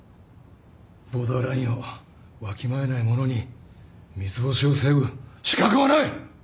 ボーダーラインをわきまえない者に三ツ星を背負う資格はない！